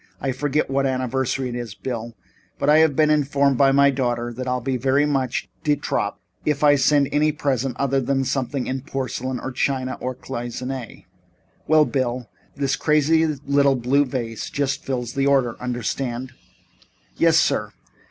I forget what anniversary it is, Bill, but I have been informed by my daughter that I'll be very much de trop if I send her any present other than something in porcelain or China or Cloisonné well, Bill, this crazy little blue vase just fills the order. Understand?" "Yes, sir.